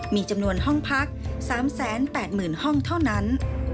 มีจำนวนห้องพัก๓๘๐๐๐ห้องเท่านั้น